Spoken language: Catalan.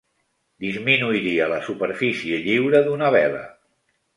Disminuiria la superfície lliure d'una vela.